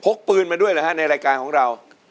กปืนมาด้วยเหรอฮะในรายการของเรา